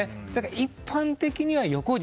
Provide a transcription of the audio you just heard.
一般的には横軸。